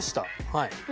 はい。